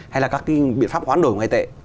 hay là các cái biện pháp hoán đổi ngoại tệ